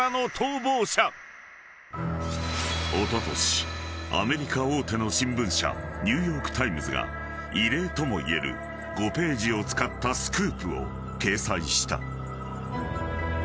［おととしアメリカ大手の新聞社ニューヨーク・タイムズが異例ともいえる５ページを使ったスクープを掲載した］